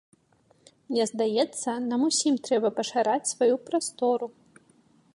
Мне здаецца, нам усім трэба пашыраць сваю прастору.